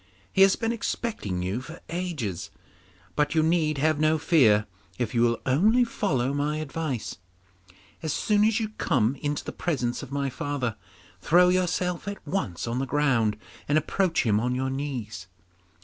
He has been expecting you for ages, but you need have no fear if you will only follow my advice. As soon as you come into the presence of my father, throw yourself at once on the ground and approach him on your knees.